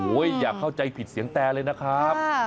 อย่าเข้าใจผิดเสียงแตรเลยนะครับ